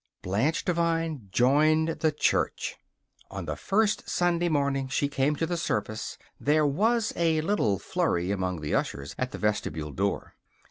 Blanche Devine joined the church. On the first Sunday morning she came to the service there was a little flurry among the ushers at the vestibule door.